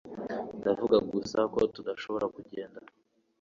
Ndavuga gusa ko tudashobora kugenda